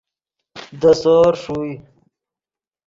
دے سور ݰوئے